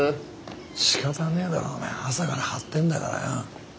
しかたねえだろお前朝から張ってんだからよ。